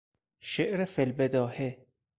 شعر فیالبداهه